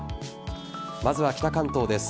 まずは北関東です。